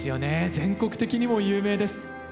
全国的にも有名です。